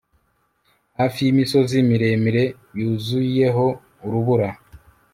Hafi yimisozi miremire yuzuyeho urubura